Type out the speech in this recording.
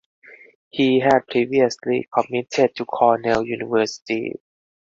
He had previously committed to Cornell University.